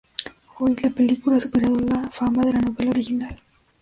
Hoy, la película ha superado la fama de la novela original.